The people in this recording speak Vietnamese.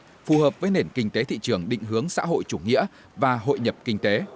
hướng hiện đại phù hợp với nền kinh tế thị trường định hướng xã hội chủ nghĩa và hội nhập kinh tế